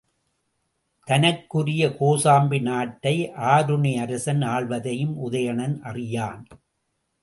தனக்குரிய கோசாம்பி நாட்டை ஆருணி அரசன் ஆள்வதையும் உதயணன் அறியான்.